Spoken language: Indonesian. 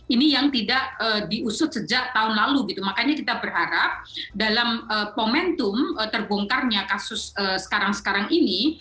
ini yang tidak diusut sejak tahun lalu gitu makanya kita berharap dalam momentum terbongkarnya kasus sekarang sekarang ini